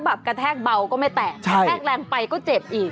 ถ้ากระแทกเบาก็ไม่แตกแปลงไปก็เจ็บอีก